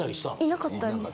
いなかったんです。